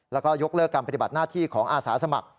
แล้วก็ยกเลิกการปฏิบัติหน้าที่ของอาสาสมัคร